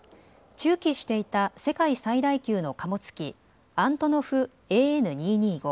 駐機していた世界最大級の貨物機、アントノフＡｎ−２２５。